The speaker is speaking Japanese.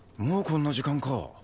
もうこんな時間か。